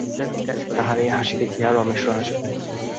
তাহার এই হাসি দেখিয়া রমেশেরও হাসি পায়।